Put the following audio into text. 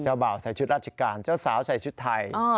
บ่าวใส่ชุดราชการเจ้าสาวใส่ชุดไทย